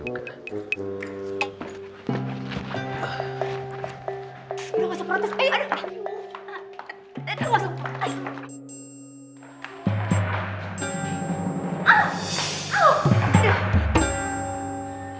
udah gak usah protes